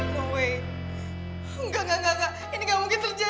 mauri engak engak engak ini tidak mungkin terjadi